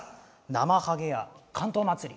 なまはげや竿燈まつり